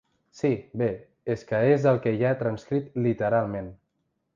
Sí, bé, és que és el que hi ha transcrit literalment.